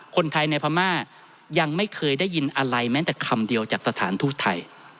คนไทยในพม่ายังไม่เคยได้ยินอะไรแม้แต่คำเดียวจากสถานทูตไทย